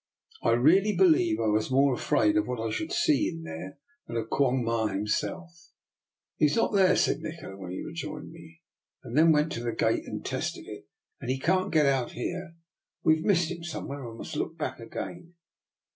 I really believe I was more afraid of what I should see in there than of Quong Ma him self. " He is not there," said Nikola when he rejoined me, and then went to the gate and tested it. " And he can't get out here. We've missed him somewhere, and must look back again."